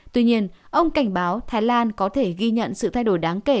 tuy nhiên ông cảnh báo thái lan có thể ghi nhận sự thay đổi đáng kể